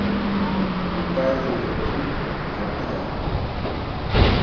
موبال ري بيٽري گھٽ هي.